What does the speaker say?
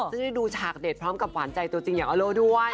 ซึ่งได้ดูฉากเด็ดพร้อมกับหวานใจตัวจริงอย่างออโลด้วย